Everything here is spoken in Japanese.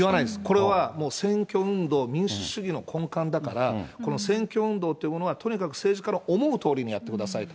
これは選挙運動、民主主義の根幹だから、選挙運動というものは、とにかく政治家の思うとおりにやってくださいと。